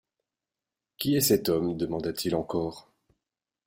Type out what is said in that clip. Qui est cet homme ? demanda-t-il encore.